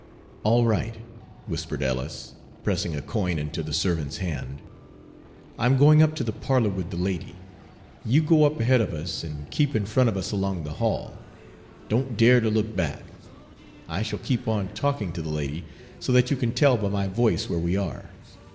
"All right," whispered Ellis, pressing a coin into the servant's hand. "I'm going up to the parlor with the lady. You go up ahead of us, and keep in front of us along the hall. Don't dare to look back. I shall keep on talking to the lady, so that you can tell by my voice where we are.